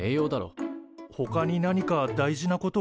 ほかに何か大事なことあるかな？